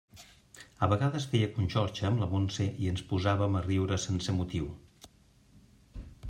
A vegades feia conxorxa amb la Montse i ens posàvem a riure sense motiu.